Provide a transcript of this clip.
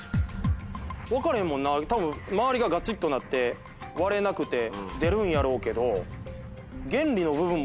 分からへんもんな多分周りがガチっとなって割れなくて出るんやろうけど。